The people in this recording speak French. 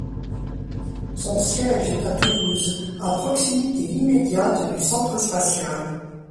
Son siège est à Toulouse, à proximité immédiate du centre spatial.